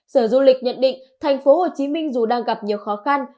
sở du lịch nhận định thành phố hồ chí minh dù đang gặp nhiều khó khăn